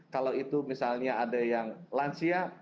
kalau itu misalnya ada yang lansia